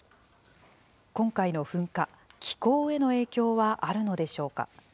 今回の噴火、気候への影響はあるのでしょうか。